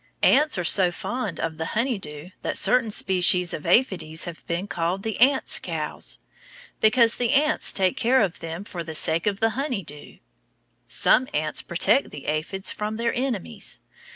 Ants are so fond of the honey dew that certain species of aphides have been called the ants' cows, because the ants take care of them for the sake of the honey dew. Some ants protect the aphids from their enemies.